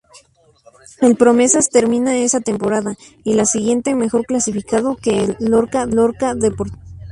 El Promesas termina esa temporada y la siguiente mejor clasificado que el Lorca Deportiva.